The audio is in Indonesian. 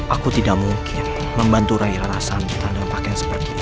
aku tidak mungkin membantu raira rarasanta dalam dampak yang seperti ini